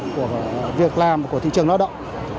của việc làm của thị trường lao động